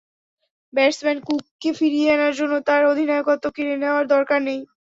Batsman কুককে ফিরিয়ে আনার জন্য তাঁর অধিনায়কত্ব কেড়ে নেওয়ার দরকার নেই।